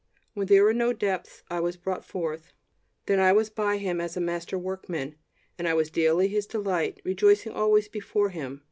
When there were no depths, I was brought forth.... Then I was by him as a master workman, and I was daily his delight, rejoicing always before him....